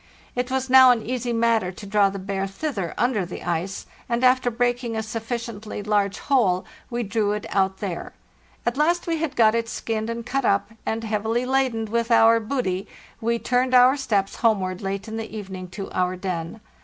It was now an easy matter to draw the bear thither under the ice, and after breaking a sufficiently large hole we drew it out there. At last we had got it skinned and cut up, and, heavily laden with our booty, we turned our steps homeward late in the evening to our den.